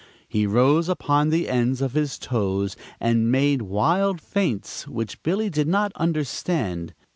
He rose upon the ends of his toes and made wild feints which Billy did not understand.